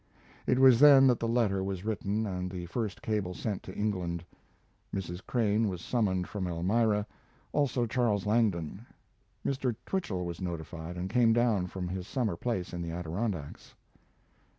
It was then that the letter was written and the first cable sent to England. Mrs. Crane was summoned from Elmira, also Charles Langdon. Mr. Twichell was notified and came down from his summer place in the Adirondacks.